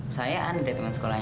saya anda teman sekolahnya